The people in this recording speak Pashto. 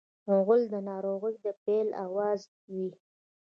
غول د ناروغۍ د پیل اواز وي.